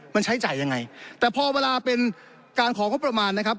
มันใช้จ่ายยังไงแต่พอเวลาเป็นการของงบประมาณนะครับ